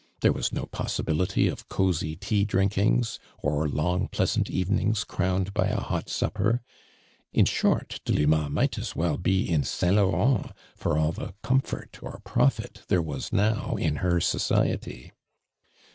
There was no possibility of ■cosy teadrinkings or long pleasant evenings crowned by a hot supper. In short, Delima might as well be in St. Laurent for all the •comfort or profit there was now in her so ciety.